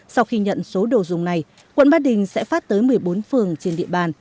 sau khi nhận số đồ dùng này quận ba đình sẽ phát tới một mươi bốn phường trên địa bàn